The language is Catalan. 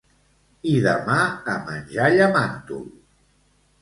I demà a menjar llamàntol